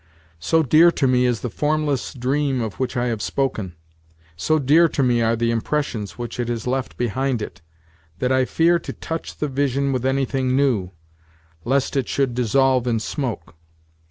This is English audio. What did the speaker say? So dear to me is the formless dream of which I have spoken, so dear to me are the impressions which it has left behind it, that I fear to touch the vision with anything new, lest it should dissolve in smoke.